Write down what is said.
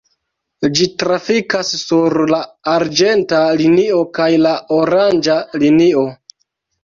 Ĝi trafikas sur la arĝenta linio kaj la oranĝa linio.